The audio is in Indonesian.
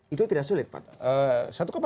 itu tidak sulit pak